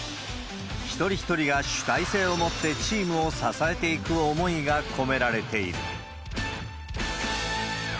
一人一人が主体性を持ってチームを支えていく思いが込められている。